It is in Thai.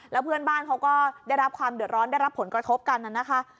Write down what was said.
แล้วเพื่อนบ้านเขาก็ได้รับความเดือดร้อนได้รับผลกระทบกันน่ะนะคะ